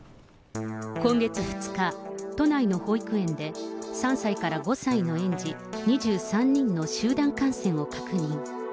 今月２日、都内の保育園で、３歳から５歳の園児２３人の集団感染を確認。